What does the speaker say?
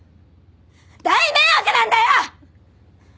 大迷惑なんだよ！！